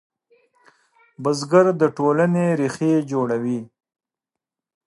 بزګر د ټولنې ریښې جوړوي